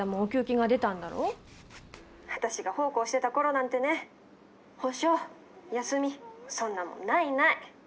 「私が奉公してた頃なんてね補償休みそんなもんないない」。